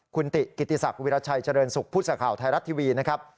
คุณติกิติศักดิราชัยเจริญสุขผู้สื่อข่าวไทยรัฐทีวีนะครับ